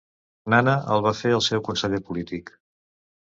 Nana el va fer el seu conseller polític.